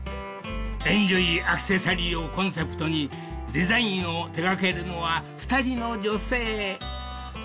［「エンジョイアクセサリー」をコンセプトにデザインを手掛けるのは２人の女性］